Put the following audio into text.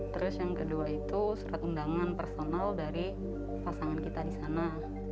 terus yang kedua itu surat undangan personal dari pasangan kita di sana